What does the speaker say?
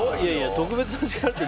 特別な力って。